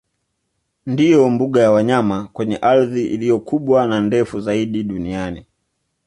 Ndiyo mbuga ya wanyama kwenye ardhi iliyo kubwa na ndefu zaidi duniani